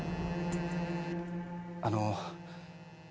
あの。